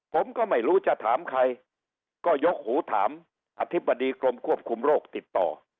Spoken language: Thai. ผมก็ไม่รู้จะถามใครก็ยกหูถามอธิบดีกรมควบคุมโรคติดต่อ